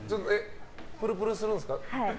プルプルするんですか？